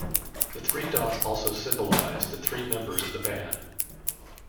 The three dots also symbolize the three members of the band.